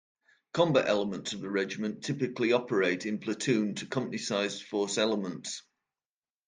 Combat elements of the Regiment typically operate in platoon to company sized force elements.